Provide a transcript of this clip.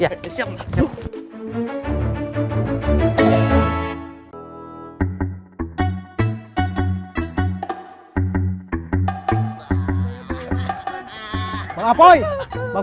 jangan katro mak